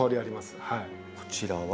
こちらは。